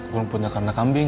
kumpulnya karena kambing